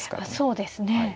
そうですね。